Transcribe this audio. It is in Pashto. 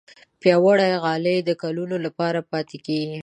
پیاوړې غالۍ د کلونو لپاره پاتې کېږي.